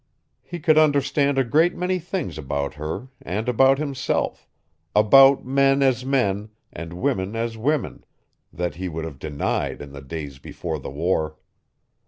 He could understand a great many things about her and about himself, about men as men and women as women, that he would have denied in the days before the war.